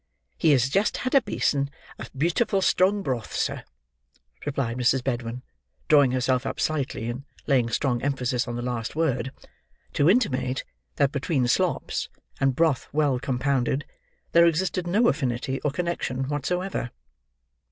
"He has just had a basin of beautiful strong broth, sir," replied Mrs. Bedwin: drawing herself up slightly, and laying strong emphasis on the last word: to intimate that between slops, and broth well compounded, there existed no affinity or connection whatsoever.